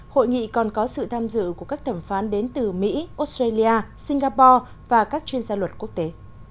hội nghị còn có sự tham dự của các thẩm phán đến từ mỹ australia singapore và các chuyên gia luật quốc tế